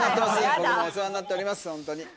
僕もお世話になっております、本当に。